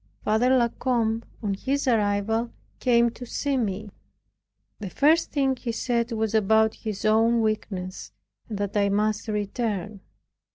Father La Combe, on his arrival, came to see me. The first thing he said was about his own weakness, and that I must return.